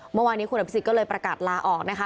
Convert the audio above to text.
เมื่อวานนี้คุณอภิษฎก็เลยประกาศลาออกนะคะ